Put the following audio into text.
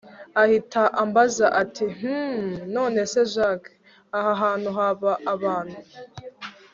ahita ambaza ati hhhm! nonese jack! aha hantu haba abantu